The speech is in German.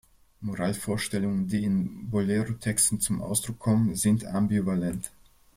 Moralvorstellungen, die in Bolero-Texten zum Ausdruck kommen, sind ambivalent.